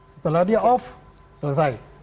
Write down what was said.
setelah dia off selesai